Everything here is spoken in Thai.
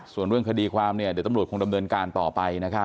ส่วนเรื่องคดีความเนี่ยเดี๋ยวตำรวจดำเนินการต่อไปนะครับ